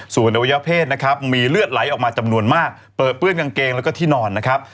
ส่วนอวัยเพศนะครับมีเลือดไหลออกมาจำนวนมากเปิดเปื้อนกางเกงแล้วก็ที่นอนนะครับ